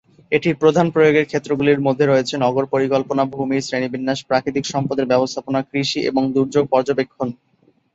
এটির প্রধান প্রয়োগের ক্ষেত্রগুলির মধ্যে রয়েছে নগর পরিকল্পনা, ভূমির শ্রেণিবিন্যাস, প্রাকৃতিক সম্পদের ব্যবস্থাপনা, কৃষি এবং দুর্যোগ পর্যবেক্ষণ।